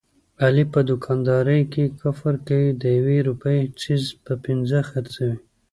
علي په دوکاندارۍ کې کفر کوي، د یوې روپۍ څیز په پینځه خرڅوي.